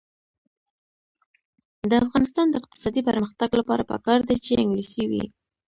د افغانستان د اقتصادي پرمختګ لپاره پکار ده چې انګلیسي وي.